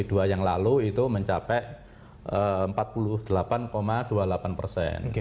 dua yang lalu itu mencapai empat puluh delapan dua puluh delapan persen